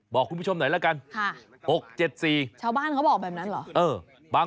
บอกคุณผู้ชมหน่อยละกัน